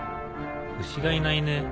牛がいないね。